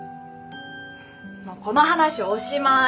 もうこの話おしまい。